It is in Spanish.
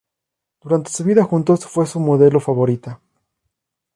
Durante su vida juntos, fue su modelo favorita.